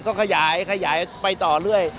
ก็ขยายไปต่อเรื่อย